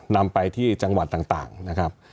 นำไปที่จังหวัดต่างนะครับ